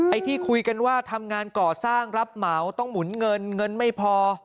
ที่คุยกันว่าทำงานก่อสร้างรับเหมาต้องหมุนเงินเงินไม่พอ